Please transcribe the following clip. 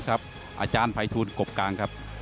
อาจารย์ไภทูลกบกลาง